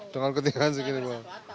dengan ketikaan segini bu